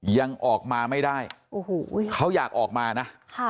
ยังออกมาไม่ได้เขาอยากออกมานะ